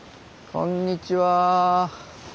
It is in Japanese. こんにちは。